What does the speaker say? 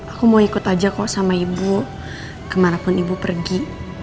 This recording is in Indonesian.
aku mau ikut aja kok sama ibu kemanapun ibu pergi